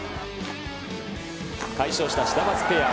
快勝したシダマツペア。